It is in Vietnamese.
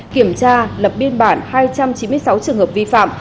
kiểm tra lập biên bản hai trăm chín mươi sáu trường hợp vi phạm